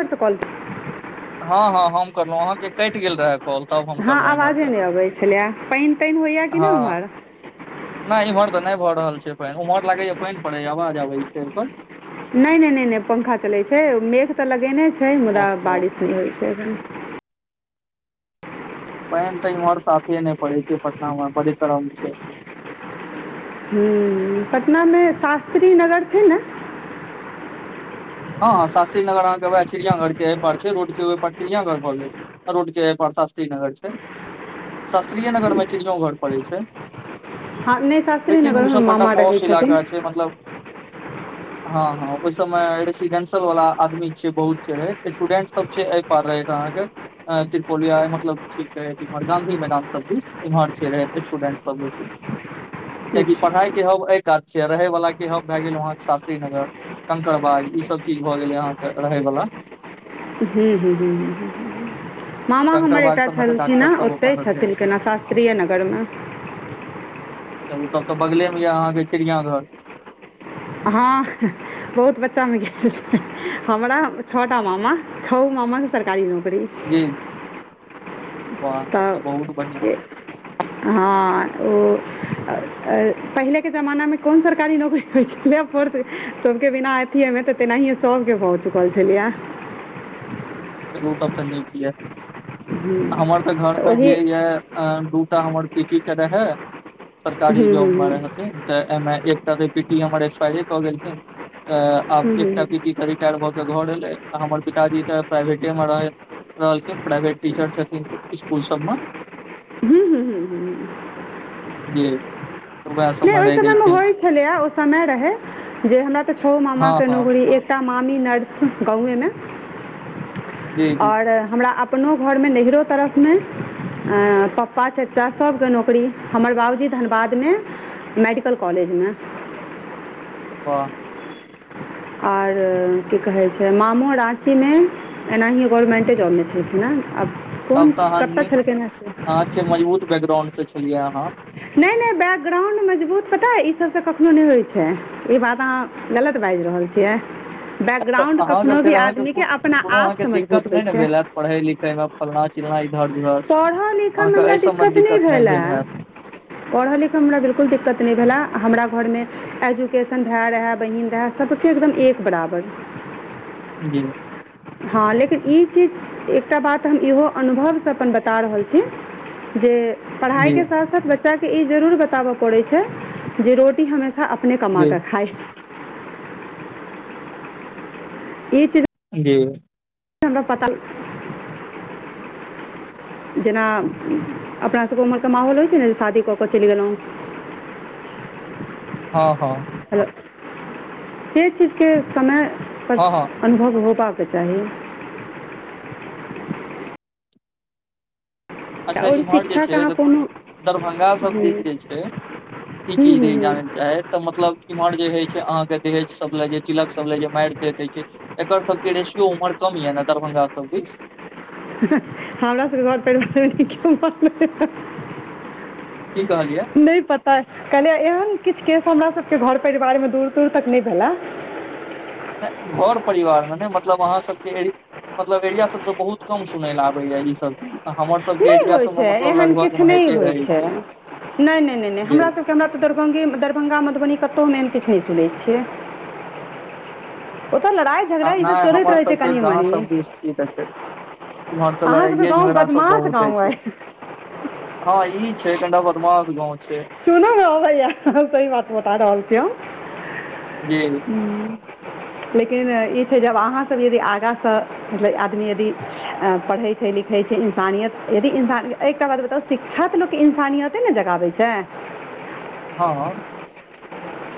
[unintelligible] Call हँ-हँ, हम कलहुं। अहाँके कटि गेल रहे कॉल। तब हम हँ करलहुँ आवाजे इम्हरसँ नहि अबै छलैया। पानि तानि होइया कि नहि हँ ओम्हर? नहि एम्हर तऽ नहि भऽ रहल छै पानि। उम्हर लागैया पानि पड़ैया, आवाज आबैय छै ओकर। नहि -नहि -नहि -नहि पंखा चलै छै। मेघ तऽ लगेने छै मुदा ओहो बारिश नहि होइ छै। पाइन तऽ इम्हर साफे नै पड़ै छै। पटना मे बड़ी गरम छै। हुम्म, पटना मे शास्त्री नगर छै ने? हँ-हँ शास्त्री नगर अहाँके वेएहा चिड़ियाघर के एहिपार छै। रोड के ओइ पार चिड़ियाघर भो गेल। आ रोड के अइ पार शास्त्री नगर छै। शास्त्रीए नगर मे हँ चिड़ियोंघर पड़ै छै। नहि शास्त्री लेकिन नगरमे उसभ कनिटा मामा रहै पौष छथिन इलाका छै। मतलब हँ -हँ ओहि समय [unintelligible] ीडेंसियल वला आदमी छै बहुत छै रहैत। स्टूडेंट सब छै अइ पार रहैत अहाँके। अं त्रिपोलिया मतलब ठीक ये, इम्हर गाँधी मैदान सब दिस, इम्हर छै रहैत स्टूडेंट सब भी छै। अच्छा कियाकि पढ़ाई के अच्छा हब एहि कात छी। अ रहै वला के हम भए गेलौं अहाँके शास्त्री नगर कंकड़बाग ई स तऽ कि भो गेलय अहाँ के रहय बला हूं-हूं-हूं-हूं-हूं मामा हमर कंकड़बाग एकटा सबमे तऽ छलखिन डॉक्टर हें, सब ओतहि अपन रहै छथिन छै केना शास्त्रीये नगरमे। तऽ उतब तऽ बगलेमे यऽ अहाँके चिड़ियाघर। हँ, ह-ह बहुत बच्चामे गेल [unintelligible] हमरा छो टा मामा छोओ मामा सरकारी नौकरी। जी, वाह तब तऽ बहुत बढ़िआं। हँ ओ-अ-अ पहिलेके जमानामे कोन सरकारी नौकरी होइ। [unintelligible] थोरके थोरके बिना एथि हमे तऽ तेनाहि सबके भऽ चुकल छलै या। चलू तब तऽ नीक यऽ। हमर तऽ घरमे जे यऽ एऽ दूटा हमर पीटी के रहे, सरकारी ह्म्म जॉब मे ह्म्म रहे। त ऐमे एकटा त पीटी हमर एक्सपायरे क गेलखिन, त आब एकटा पीटी करिब रिटार भऽ के घर एलै त हमर पिताजी तऽ [unintelligible] प्राइवेटे मे रहै-रहलखिन। प्राइवेट टीचर छथिन इसकुल सबमे। खालि [inaudible] वएह सबमे ओहि रहि समय मे गेलखिन होइ छलैया। ओ समय रहै, जे हमरा तऽ छौओ हँ मामा के हँ नौकरी [unintelligible] एकटा मामी [unintelligible] गावे मे जी जी और हमरा अब अपनो घर मे, नैहरो तरफ मे ऐं पप्पा चचा सबके नौकरी। हमर बाबूजी धनबादमे मेडिकल कॉलेज मे। बाह। आओर कि कहै छै मामू राॅंची मे एनाही गवरमेंटे जॉब मे छलखिन हें आब कोन कत्तऽ छलखिन हें से एते मजबूत बैकग्राउंड से छलियै आहाँ। नै नै बैकग्राउंड मजबूत पता अइ ई सब त कखनो नै होय छै। ई बात अहाँ गलत बाजि रहल छियै। तऽ बैकग्राउणड अहाँके कखनो फेर भी अहाँके आदमी के अपना कोनो आप अहाँके स दिक्कत मजबूत होइ नहि ने छै। भेल हैत पढ़ै लिखै में फल्लां- चिल्लां इधर -उधर पढ़ऽ लिखऽ मे अहाँके हमरा एहि सबमे दिक्कत नै नहि भेलए। भेल हैत पढ़ऽ लिखऽ मे हमरा बिलकुल दिक्कत नै भेलए हमरा घरमे एजुकेशन भेए रहेए बहीन रहेए सबके एकदम एक बराबर। जी। हँ लेकिन ई चीज एकटा बात हम इहो अनुभव सँ अपन बता रहल छी। जे पढ़ाई जी के साथ- साथ बच्चा के ई जरूर बताबऽ पड़ै छै जे रोटी हमेशा अपने कमा जी कऽ खाइ। ई चीज जी। हमरा पताल [unintelligible] जेना अपना सबके उमहरके माहौल होइ छै ने जे शादी कऽ कऽ चलि गेलहुँ। हँ हँ। हेलो, जे चीज के समय हँ हँ अनुभव होबाक चाही। अच्छा आओर इम्हर जे शिक्षाके छै अहाँ कोनो दरभंगा सब हूँ दिस जे छै ई हूँ चीज नै हूँ जानय हूँ चाहै तऽ मतलब इम्हर जे हइ छै अहाँ के दहेज सब ले जे तिलक सब ले जे मारि दे दै छै। एकर सबके रेसियो उमहर कम येए ने दरभंगा सब दिस? हमरा सबके घर पर की कहलियै? नै पता कहलियै एहन किछ केस हमरा सबके घर परिवार मे दूर- दूर तक नै भेला। घर परिवार मे नै मतलब अहाँ सबके एरि मतलब एरिया सब सॅं बहुत कम सुनय ले आबैये इ सब चीज। हमर सबके नै एरिया होइ सबमे छै मतलब एहन लगभग किछ मे नै होइते होइ रहै छै नै नै नै नै जे हमरा सबके हमरा दरभंगे मे दरभंगा मधुबनी कतौ हम एहन किछ नै सुनै छियै। ओ तऽ लड़ाइ झगड़ा इ सब चलैत रहै छै कनिये मनी। कि देतै इम्हर तऽ सबके लड़ाइये गाँव झगड़ा सब बदमाश बहुत हइ गाँव छै। अइ हँ ई छै कनिटा बदमास गाँंव छै। सुनू ने भैया सही बात बता रहल छी हम। जे लेकिन इ छै जब अहाँसब यदि आगांसँ मतलब आदमी यदि पढ़ै छै लिखै छै इंसानियत यदि इन्सान एकटा बाद बताउ शिक्षा त लोक के इंसानियते ने जगाबै छै। हँअ।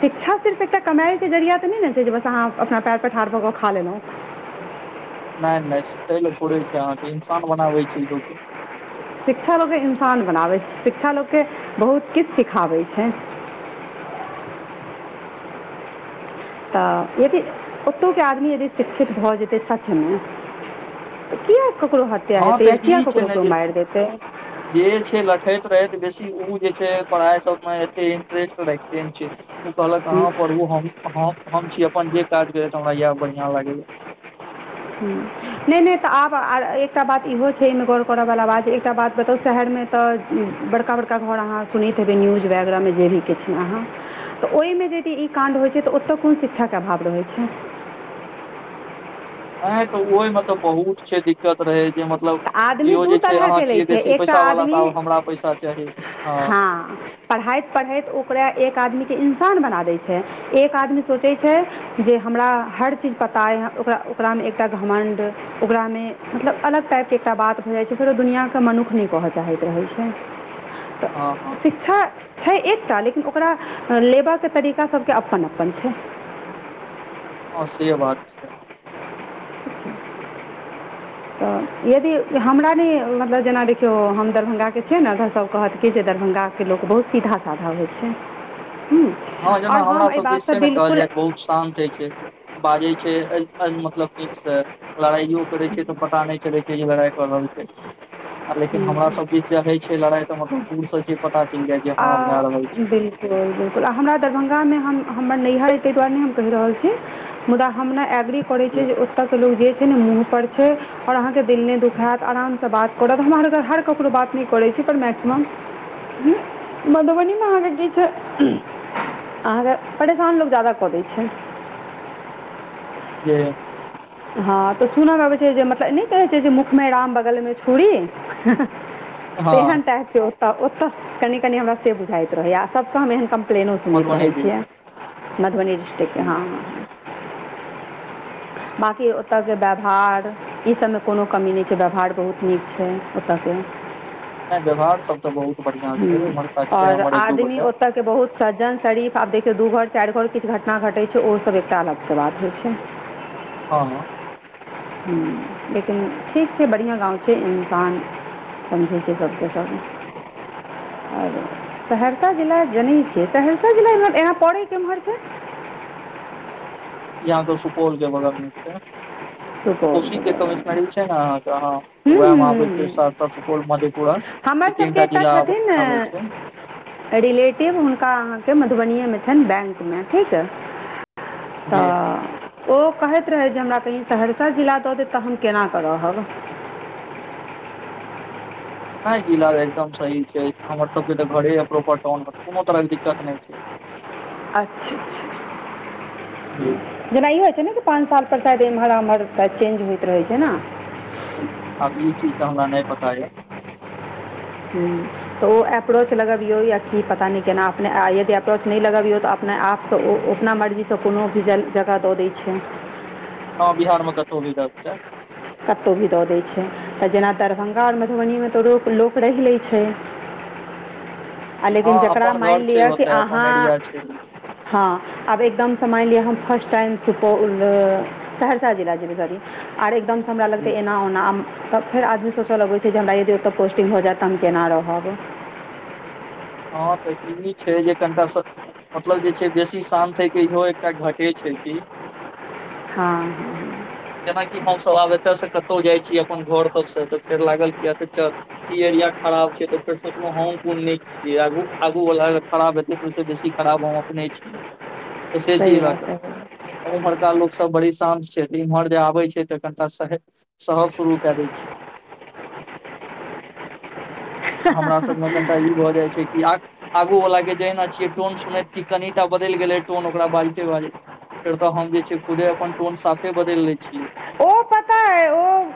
शिक्षा सिर्फ एकटा कमेए के जरिया तऽ नै छै जे बस अहाँ अपना पैर पर ठाढ़ भऽ कऽ खा लेलौं। नै नै तै ले थोड़े छै अहाँके इंसान बनाबै छी लोकके। शिक्षा लोक के इन्सान बनाबै छै शिक्षा लोक के बहुत किछ सिखाबै छै। तऽ यदि ओतोके आदमी यदि शिक्षित भऽ जेतै सचमें किया ककरो हत्या हँ हेतै, या तऽ किया ई छै ककरो ने कोई जे माइरि देतै। जे छै लठैत रहैत बेसी उ जे छै, पढ़ाइ सबमेऊ एते इंटरेस्ट राखिते नै छै। ओ कहलक हूँ। अहाँ पढ़ू, हम- हम छी अपन जे काज करैत हमरा इएह बढ़िआँ लागैएा हूं नै- नै तऽ आब एकटा बात इहो छै, एहिमे गौर करऽवला बात, एकटा बात बताउ शहर में तऽ बड़का- बड़का घर अहाँ सुनैत हेबै न्यूज वगैरह में, जे भी किछ में अहाँ तऽ ओहि मे यदि ई काण्ड होइ छै, तऽ ओतय कोन शिक्षा के अभाव रहैत छै। अंय तऽ ओहिमे तऽ बहुत छै दिक्कत रहै जे मतलब तऽ आदमी केओ दू जे छै अहाँ तरहके लै छियै छै बेसी एकटा पैसावला, आदमी तऽ आब हमरा पैसा चाही हँ। हँ। पढ़ैत- पढ़ैत ओकरा एक आदमीके इंसान बना दै छै, एक आदमी सोचै छै जे हमरा हर चीज पता अइ, ओकरा- ओकरा में एकटा घमण्ड ओकरा में मतलब अलग टाइप एकटा बात भऽ जाइ छै, फेरो दुनिआ के लोक मन्नुख नै कहय चाहैत रहै छै। तऽ हँ हँ शिक्षा छै एकटा, लेकिन ओकरा लेबाकऽ के तरीका सबके अपन -अपन छै। हँ से बात छै। तऽ यदि हमरा नै मतलब जेना, देखियौ हम दरभङ्गाके छियै ने, अगर सब कहत कि जे दरभङ्गा के लोक बहुत सीधा- साधा होइ छै हूं, हँ जेना और हमरा हम एहि सब बात दिस से छै ने कहल बिल्कुल जाय तऽ बहुत शान्त होइ छै, बाजै छै मतलब नीकसँ। लड़ाइयो करै छै तऽ पता नहि चलै छै, जे लड़ाइ कऽ रहल छै, आ लेकिन हमरा सब दिस चाहे छै लड़ाई तऽ मतलब दूर से छै पता चलि जाय जे, ह भए रहल छै। हं बिल्कुल, आ हमरा दरभङ्ंगामे हम-हमर नैहर अइ तैऽ दुआरे हम नै कहि रहल छी। मुदा हम ने एग्री कर छियै जे, ओतऽ के लोक जे छै नै मुँह पर छै, और अहाँके दिल नै दुखाइत आरामसँ बात करत, हमरा आर केर हर ककरो बात नै करै छै, पर मैक्सिमम हूं। मधुबनी मे अहाँके किछो अहाँके परेशान लोक जादा कऽ दै छै। जे। हँ तऽ सुनऽ में आबै छै जे, मतलब नै कहे छै जे मुखमें राम बगल मे छुरी। हँ तेहन टाइप के ओतऽ-ओतऽ, कनि- कनि हमरा से बुझाइत रहैयऽ, सब के हम एहन क म्पलैनो सुनैत रहै मधुबनी छियै, दिस मधुबनी डिस्ट्रिक्ट के जी हँ। कि ओतऽके व्यवहार ई सभमे कोनो कमी नै छै, व्यवहार बहुत नीक छै ओतयके। नै व्यवहार सब तऽ बहुत बढ़िआं छै, एम्हरका छै हमर एक दू गोटा। के बहुत सज्जन शरीफ, आब देखियौ दू घर चारि घर किछु घटना घटै छै, ओ सब एकटा अलग के बात होइ छै। हँ। हूं लेकिन ठीक छै, बढ़िआँ गाँव छै इंसान समझी छै सबके सब। सहरसा जिला जने छियै, सहरसा जिला एना पड़े केम्हर छै? इ आहां सुपौल के बगल में छैे। सुपौल कोशी के जिलामे कमिशनरी छै ने आहाँके, हूँ उएह हूँ मे हूँ आबे छै हूँ सहरसा, सुपौल, मधेपुरा। ई हमर सबके तीनटा एकटा जिला आ छथिन -आबै छै। रिलेटिव हुनका अहाँके मधुबनिएमें छनि बैंक में, ठीक। जे तऽ ओ कहैत रहै हमरा कहीं सहरसा जिला दऽ देत, तऽ हम केना कऽ रहब। नहि जिलाज एकदम सही छै हमर सब के घरे प्रोपर टाउन मे कोनो तरह के दिक्कत नहि छै। ठ अच्छा अच्छा ह जी [unintelligible] जेना ई होइ छै ने कि पाँंच साल पर शायद एम्हर उम्हर चेंज होइत रहै छै ने। अब ई चीज तऽ हमरा नहि पता ये। ह त ओ अप्रोच लगा भी हो या की पता न केना अपने यदि अप्रोच नहि लगा भी हो ने आपसँ ओ अपना मर्जीसँ कोनो भी जगह दऽ दै छैिय। हँ बिहारमे कतहु भी रहल छ? कतहु भी दऽ दैत छै तऽ जेना दरभंगा आओर मधुबनीमे तऽ लोक लोक रहि लैत छै। लेकिन हँ जकरा अपन मानि घर छै लिअ कि ओतऽ अहाँ अपन एरिया छै। हँ आब एकदम समानि लिअ हम फर्स्ट टाइम सुपौल आ सहरसा जिला जेबै सी आर एकदम हमरा लगतै एना ओना तऽ फेर आदमी सोचऽ लगैत छै जे हमरा यदि ओतऽ पोस्टिंग हो जायत तऽ हम केना रहब। हँ तऽ ई छै जे कनिटाँ स मतलब जे छै बेसी शान्त होयके इहो एकटा घटे छै कि हँ ह [unintelligible] जेनाकि हमसभ आब एतयसँ कतहु जाइ छी अपन घर सबसँ तऽ फेर लागल कि अ चल- ई एरिया खराब छै तऽ फर सोचल हॉंगुंग कि आगू आगू वलाग खराब हेतै तऽ ओहिसँ बेसी खराब हम अपने छी। कसेची सही बात इलका सही बात ओम्हरका लोकसभ बड़ी शान्त छै तऽ इम्हर जे आबै छै तऽ कनिटा सह स शुरू कए दै छी [unintelligible] हमरा सभमे कनिटा ई भऽ जाइत छै कि आ आगू वला के जना छियै टोन सुनैत कि कनिटा बदलि गेलै टोन ओकरा बाजिते बाजैत। फेर तऽ हम जे छै खुदे अपन टोन साफे बदल ले छियै। ओ पता है ओ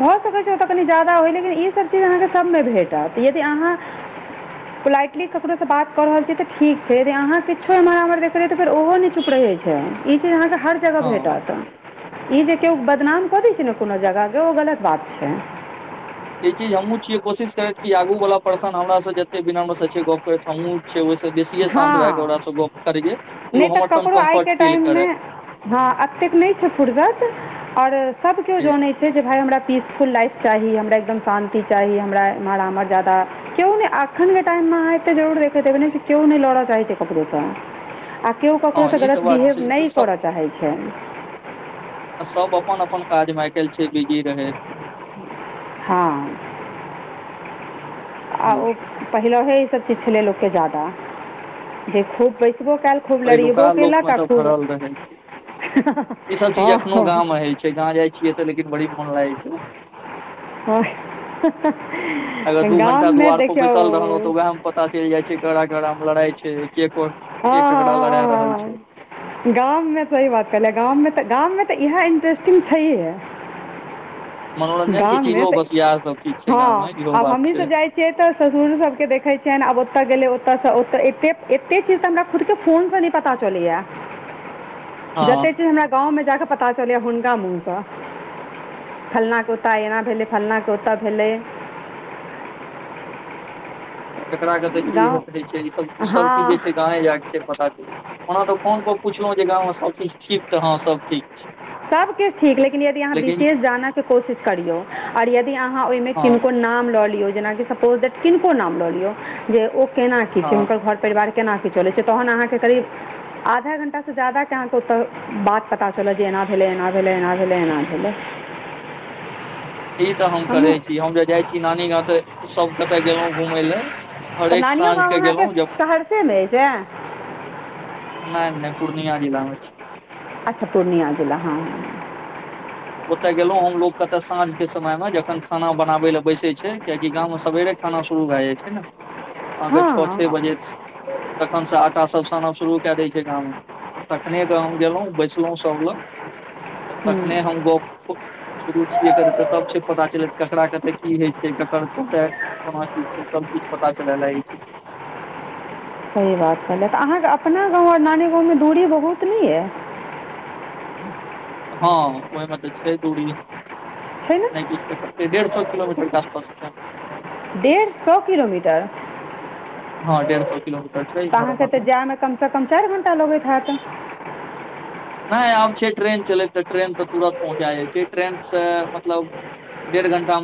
भऽ सकै छै ओतऽ कनि ज्यादा होइ लेकिन ईसभ चीज अहाँके सभमे भेटत यदि अहाँ [unintelligible] पोलाइटली ककरो से बात क रहल छी त ठीक छै अहाँ किछो एमह आमह देखेै त फेरहो न च छुप रहे छै। ई चीज अहाँके हर जगह हँ भेटत ई जे केओ बदनाम कऽ दै छै ने कोनो जगह के ओ गलत बात छै। ई चीज हमहुूँ छीियै कोशिश करैत क आगू वाला पर्सन हमराास जते बिनाम गप करैत हमहुँ छै ओहिस बेसीए शान्त हँ भएके ओकरासँ गप्प करिय कि ओ नहि तऽ हमर सब ककरो कम्फर्ट आइके फील टाइममे करे। हँ एतेक नहि छै फूर्सस और सब केओ जी जानैत छै। छै जे भाइ हमरा पीसफुल लाइफ चाही हमरा एकदम शान्ति चाही हमरारामर जा्यदा क्यो नहि आखन के टाइममेे जरूर देख देबै नहि क्यो नहि लौड़ा चाही छै कपड़ेसँ केओ हँ ककरोसँ ई तऽ गलत बात बिहेव छै नहि सब करऽ चाहैत छै। अ सब अपन अपन काजमे आइकाल्हि छै बिजी रहै। [unintelligible] हँ आ जी ओ पहिलहे ई सब चीज छलै लोकके जादाा जे खूब बैसबो कयल खूब लड़ियबो पहिलुका लोक केल मे क तऽ खूब भरल रहै छै। [unintelligible] हँ ह जहाँ जाइ छियै तऽ लेकिन बड़ी मोन लागै छै न। हँ [unintelligible] अगर हँ दू घं्टा गाममे दु्वारपो देखियौ बैसल रहलहुं तऽ वएह प पता चलि जाइ छै घड़ा घड़ा मे लड़ाइ छै के कोन हँ हँ लड़ाऽ रहल हँ छैय। गाममे सही बात कहलियए गाममे त गाममे त इहे इंटरेस्टिंग छैहे। मनोरंजन के गाम मे चीजो त बस इएह सब चीज छै हँ गाँव मे इहो आब बात हमी छै सब जाइ छी छियै त ससुर सबके देखै छियैन आब ओतऽ गेलै ओतऽस एतऽ ए एतेक चीज त हमरा खुदके फोनसँ नै पता चलैये। हँ जते चीज हमरा गाँंवमे जाकऽ पता चलैया हुंडा मुहके फल्लां ओता एना भेलै फल्लाँ के ओता भेलै। केकरा कते की गाँव होइत रहै छैय इ सब सब कीछ जे छै हँ गांवे जाके छैय पता की ओना त फोन पर पुछलौं जे गाममे सबकिछ ठीक त हँ सब ठीक छी। सबकिछ ठीक लेकिन यदि अहाँ बिशेष जाना के कोशिश करियौ और यदि अहाँ ओयमे हँ किनको नाम लऽ लियो जेनाकि सपोज [unintelligible] किनको नाम लऽ लियौ जे ओ केना की छैय हँ हुनकर घर परिवारके केना की चलै छैय तहन अहाँके करीब आधा घण्टा से ज्यादाके अहाँके ओतऽ बात पता चलत जे एना भेलैय एना भेलैय, एना भेलैय, एना भेलैय। इ त हम करै हमहूँ छी हम जे जाइ छी नानी गां त सब कतऽ गेलौं घूमय लए त हरेक नानियो साँझ गाम के अहाँके गेलहुँ जब सहरसेमे अय ने। नय- नय पूर्णिया जिलामे छैय। अच्छा पूर्णिया जिला हँ। ओतय गेलौं हमलोग के एतऽ साँझमे के समयमे जखन खाना बनाबै लए बैसै छैय कियाकि गाममे सवेरे खाना शुरू भए जाइ छैय ने अहाँके हँ छ- छे बजे तक तखनसँ आटा सब सानब शुरू कए दै छैय गाममे तखने गांव गेलौं बैसलौं सभ लग तखने हूँ हम गऽपो शुरू छियै करैत तब छैय पता चलैत ककरा कते की होइ छैय केकर कतय कोना की छैय सभ चीज पता चलय लागैय छैय। सही बात भेलै त अहाँके अपना गाँव आ नानी गाँवमे दूरी बहुत नै अय। हँ ओयमे त छैय दूरी। छै ने नै किछ त एक डेढ़ सौ किलोमीटर के आसपासके डेढ़ सौ किलोमीटर। हँ डेढ़ सौ किलोमीटर छैय इम्हर-उम्हरमे। कम स कम चाइर घण्टा लगैत हैत। नय आब छैय ट्रेन चलैत त ट्रेन त तुरन्त पहुँचा जाइ छैय ट्रेनसँ मतलब डेढ़ घण्टामे